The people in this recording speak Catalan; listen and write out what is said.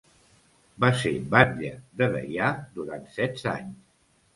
Va ser batlle de Deià durant setze anys.